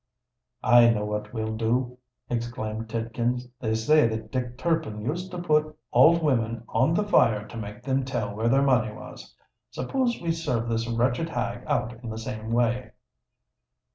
"I know what we'll do," exclaimed Tidkins: "they say that Dick Turpin used to put old women on the fire to make them tell where their money was. Suppose we serve this wretched hag out in the same way?"